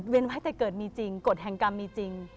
ไว้แต่เกิดมีจริงกฎแห่งกรรมมีจริง